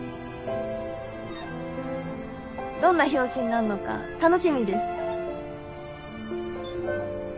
どんな表紙になんのか楽しみです！